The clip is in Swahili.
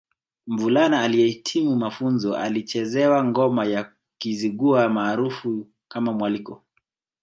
Mvulana aliyehitimu mafunzo alichezewa ngoma ya Kizigua maarufu kama Mwaliko